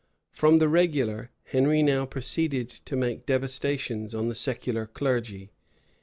From the regular, Henry now proceeded to make devastations on the secular clergy.